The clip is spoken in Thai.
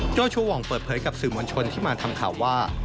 เจ้าชูหว่องเปิดเผยกับสื่อมวลชนที่มาทำข่าวว่า